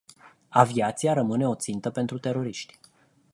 Aviația rămâne o țintă pentru teroriști.